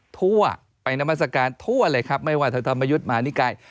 ทั่วไปนามัศกาลทั่วเลยครับไม่ว่าท่านธรรมยุทธ์มหานิกาย